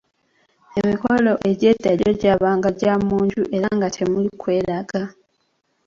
Emikolo egy’edda gyo gyabanga gya munju era nga temuli kweraga.